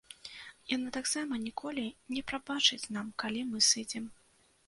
Яна таксама ніколі не прабачыць нам калі мы сыдзем.